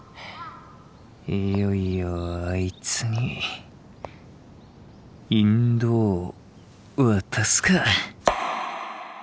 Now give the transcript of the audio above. いよいよあいつに引導を渡すか。